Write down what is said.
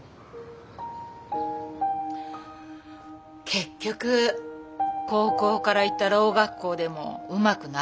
結局高校から行ったろう学校でもうまくなじめなくてね。